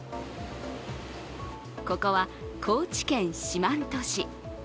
ここは、高知県四万十市。